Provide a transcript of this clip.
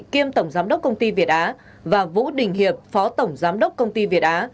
kiêm tổng giám đốc công ty việt á và vũ đình hiệp phó tổng giám đốc công ty việt á